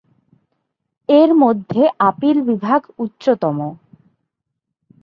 এর মধ্যে আপীল বিভাগ উচ্চতম।